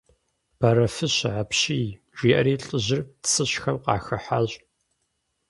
Бэрэфыщэ апщий! – жиӀэри лӀыжьыр цыщхэм къахыхьащ.